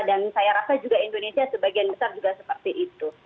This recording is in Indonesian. dan saya rasa juga indonesia sebagian besar juga seperti itu